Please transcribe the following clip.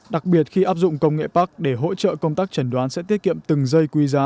đặc biệt khi áp dụng công nghệ pacs để hỗ trợ công tác trần đoán sẽ tiết kiệm từng giây quý giá